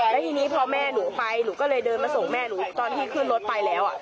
แล้วทีนี้พอแม่หนูไปหนูก็เลยเดินมาส่งแม่หนูตอนที่ขึ้นรถไปแล้ว